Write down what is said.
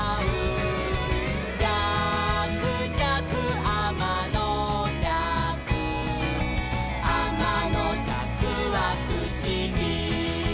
「じゃくじゃくあまのじゃく」「あまのじゃくはふしぎ」